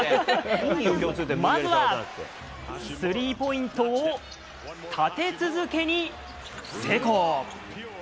まずは、スリーポイントを立て続けに成功。